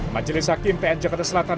majelis hakim pn jakarta selatan